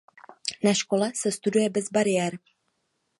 Na škole se studuje bez bariér.